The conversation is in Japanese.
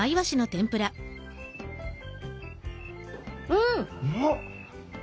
うん！